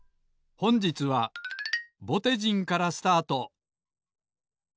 ほんじつはぼてじんからスタート！